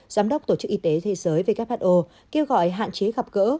giám đốc tổ chức y tế thế giới who kêu gọi hạn chế gặp gỡ